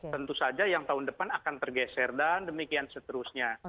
tentu saja yang tahun depan akan tergeser dan demikian seterusnya